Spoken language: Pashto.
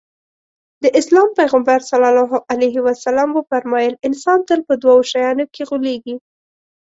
د اسلام پيغمبر ص وفرمايل انسان تل په دوو شيانو کې غولېږي.